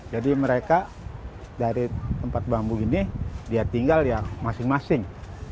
jadi mereka dari tempat bambu ini dia tinggal ya masing masing